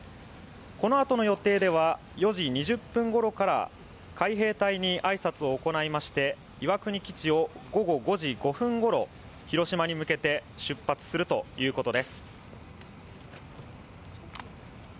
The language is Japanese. このあとの予定では４時２０分ごろから海兵隊に挨拶を行いまして、岩国基地を午後５時５分ごろ、広島に向けて出発するということです。